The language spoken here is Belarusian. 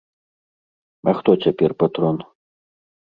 А хто цяпер патрон?